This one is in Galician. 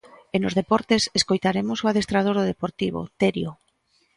E nos deportes, escoitaremos o adestrador do Deportivo, Terio.